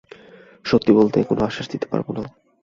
সত্যি বলতে, কোনো আশ্বাস দিতে পারবো না।